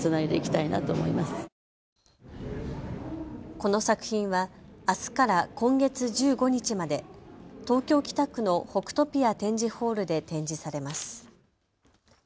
この作品はあすから今月１５日まで東京北区の北とぴあ展示ホールで展示されます。